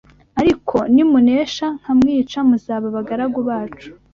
Ariko nimunesha nkamwica muzaba abagaragu bacu